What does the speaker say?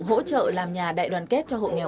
hỗ trợ làm nhà đại đoàn kết cho hộ nghèo